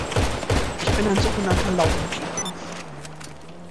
Ich bin ein so genannter Laubenpieper.